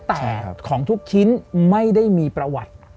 แต่ของทุกชิ้นไม่ได้มีประวัติ